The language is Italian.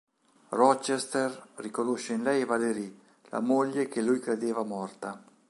Rochester riconosce in lei Valerie, la moglie che lui credeva morta.